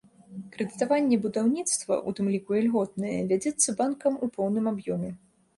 Крэдытаванне будаўніцтва, у тым ліку і льготнае, вядзецца банкам у поўным аб'ёме.